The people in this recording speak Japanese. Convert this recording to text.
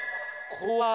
怖い。